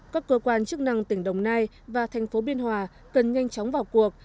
các cơ quan chức năng tỉnh đồng nai và thành phố biên hòa cần nhanh chóng vào cuộc